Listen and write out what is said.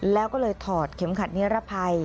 แล้วก็เลยถอดเข็มขัดนิรภัย